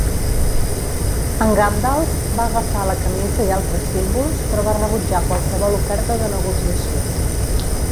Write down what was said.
En Gandalf va agafar la camisa i altres símbols però va rebutjar qualsevol oferta de negociació.